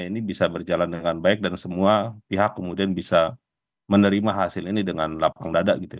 ini bisa berjalan dengan baik dan semua pihak kemudian bisa menerima hasil ini dengan lapang dada gitu ya